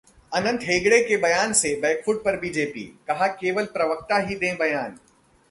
अनंत हेगड़े के बयान से बैकफुट पर बीजेपी, कहा- केवल प्रवक्ता ही दें बयान